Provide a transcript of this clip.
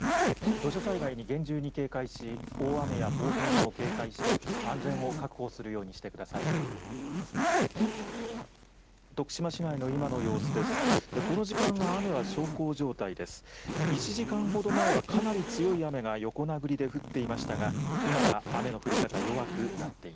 土砂災害に厳重に警戒し大雨や暴風にも警戒して安全を確保するようにしてください。